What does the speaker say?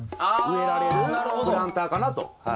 植えられるプランターかなと。